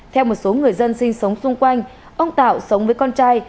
theo một số người dân sinh sống xung quanh ông tạo sống với con trai